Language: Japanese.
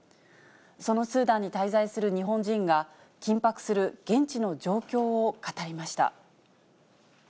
そのスーダンに滞在する日本人が、緊迫する現地の状況を語りました。